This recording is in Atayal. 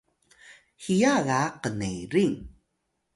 hiya ga knerin